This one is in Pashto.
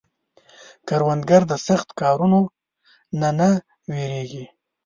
کروندګر د سخت کارونو نه نه وېرېږي